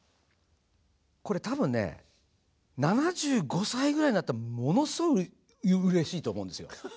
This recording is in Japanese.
これ多分ね７５歳ぐらいになったらものすごくうれしいと思うんですよ。